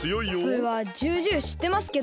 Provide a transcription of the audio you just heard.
それはじゅうじゅうしってますけど。